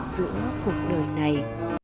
giữa cuộc đời này